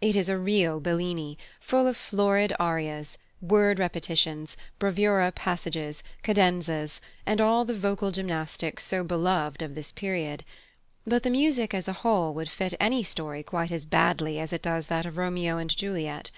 It is a real Bellini, full of florid arias, word repetitions, bravura passages, cadenzas, and all the vocal gymnastics so beloved of his period; but the music, as a whole, would fit any story quite as badly as it does that of Romeo and Juliet.